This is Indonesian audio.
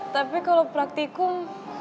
tapi kalau praktikum